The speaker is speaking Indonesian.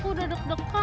aku udah deg degan tau ga